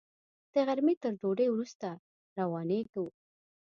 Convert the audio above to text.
د غرمې تر ډوډۍ وروسته روانېږو.